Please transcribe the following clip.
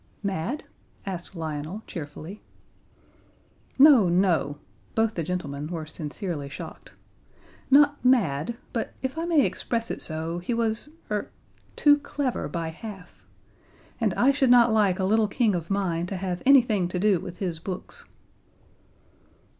"Mad?" asked Lionel, cheerfully. "No, no" both the gentlemen were sincerely shocked. "Not mad; but if I may express it so, he was er too clever by half. And I should not like a little King of mine to have anything to do with his books."